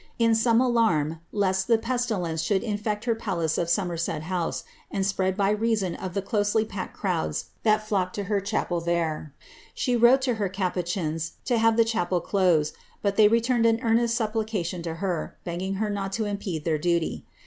In some alarm lest the pesti lence should infect her palace of Somerset House, and spread by reason of the closely packed crowds that flocked to her chapel there, she * Madame de Motteville, p. 230. httr eipiidiiitt to have ihe chapel dote,' but they retnnied an iplieatioa to her, beggioff her not to impede their datj.